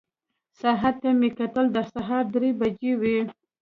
ساعت ته مې وکتل، د سهار درې بجې وې.